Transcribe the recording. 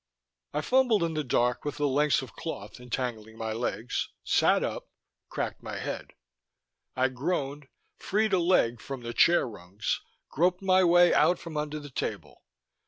I fumbled in the dark with the lengths of cloth entangling my legs, sat up, cracked my head I groaned, freed a leg from the chair rungs, groped my way out from under the table.